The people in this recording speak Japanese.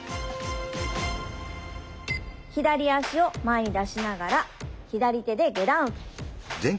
左足を前に出しながら左手で下段受け。